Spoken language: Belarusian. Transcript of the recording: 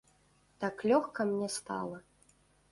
Так лёгка мне стала.